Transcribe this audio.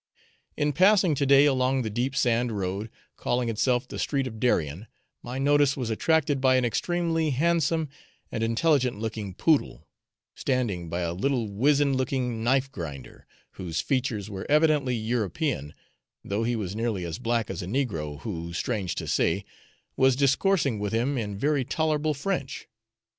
In passing to day along the deep sand road, calling itself the street of Darien, my notice was attracted by an extremely handsome and intelligent looking poodle, standing by a little wizen looking knife grinder, whose features were evidently European, though he was nearly as black as a negro who, strange to say, was discoursing with him in very tolerable French.